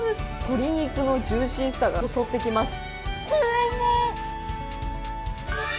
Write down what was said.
鶏肉のジューシーさが襲ってきます。